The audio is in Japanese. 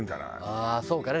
ああそうかね。